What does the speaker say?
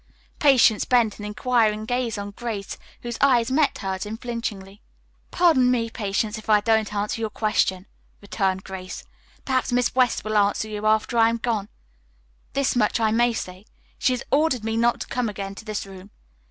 Patience bent an inquiring gaze on Grace, whose eyes met hers unflinchingly. "Pardon me, Patience, if I don't answer your question," returned Grace. "Perhaps Miss West will answer you after I am gone. This much I may say. She has ordered me not to come again to this room.